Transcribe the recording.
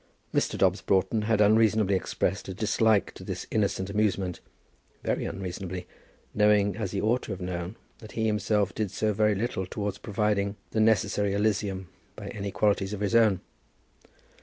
Mr. Dobbs Broughton had unreasonably expressed a dislike to this innocent amusement, very unreasonably, knowing, as he ought to have known, that he himself did so very little towards providing the necessary elysium by any qualities of his own.